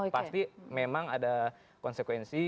pasti memang ada konsekuensi